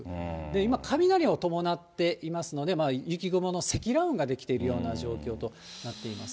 今、雷を伴っていますので、雪雲の積乱雲が出来ているような状況となっています。